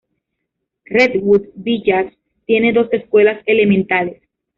Redwood Village tiene dos escuelas elementales.